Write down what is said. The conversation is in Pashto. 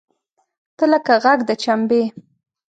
تۀ لکه غږ د چمبې !